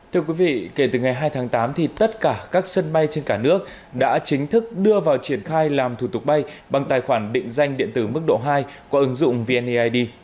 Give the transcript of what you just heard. thưa quý vị kể từ ngày hai tháng tám thì tất cả các sân bay trên cả nước đã chính thức đưa vào triển khai làm thủ tục bay bằng tài khoản định danh điện tử mức độ hai qua ứng dụng vneid